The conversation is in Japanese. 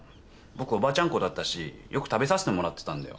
僕おばあちゃん子だったしよく食べさせてもらってたんだよ。